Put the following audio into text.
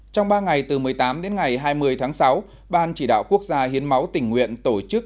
trong ba ngày từ một mươi tám đến ngày hai mươi tháng sáu ban chỉ đạo quốc gia hiến máu tình nguyện tổ chức